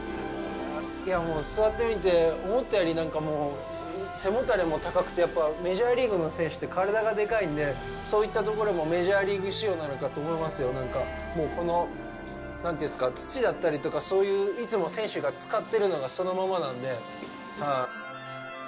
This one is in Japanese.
座ってみて、思ったよりなんかもう、背もたれも高くて、メジャーリーグの選手って体がでかいんで、そういったところもメジャーリーグ仕様なのかと思いますよ。なんていうんですか、土だったりとか、そういう、いつも選手が使ってるのがそのままなんで。